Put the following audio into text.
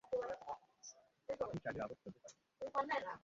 আপনি চাইলে আবার ফেলতে পারেন।